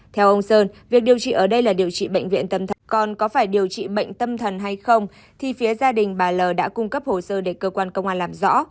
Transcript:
theo ông sơn việc điều trị ở đây là điều trị bệnh viện tâm thật con có phải điều trị bệnh tâm thần hay không thì phía gia đình bà l đã cung cấp hồ sơ để cơ quan công an làm rõ